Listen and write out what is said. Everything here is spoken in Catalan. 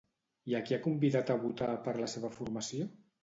I a qui ha convidat a votar per la seva formació?